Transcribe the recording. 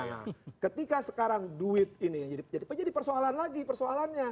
nah ketika sekarang duit ini jadi persoalan lagi persoalannya